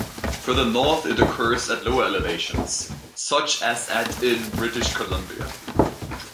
Further north it occurs at lower elevations, such as at in British Columbia.